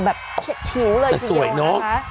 แบบเชียดทิ้วเลยจริงนะคะ